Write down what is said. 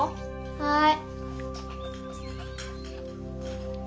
はい。